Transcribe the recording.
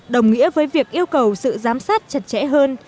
đồng nghĩa với việc yêu cầu sự giám sát chặt chẽ hơn